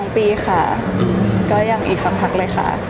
๒ปีค่ะก็ยังอีกสักพักเลยค่ะ